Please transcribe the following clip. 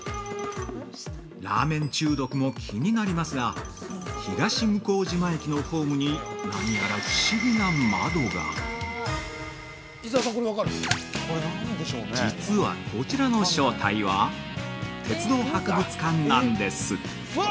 ◆ラーメン中毒も気になりますが、東向島駅のホームに、なにやら不思議な窓が実は、こちらの正体は「鉄道博物館」なんです！